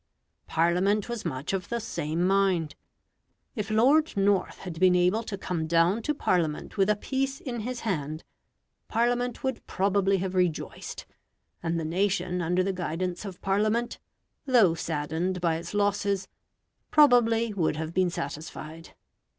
Parliament was much of the same mind; if Lord North had been able to come down to Parliament with a peace in his hand, Parliament would probably have rejoiced, and the nation under the guidance of Parliament, though saddened by its losses, probably would have been satisfied.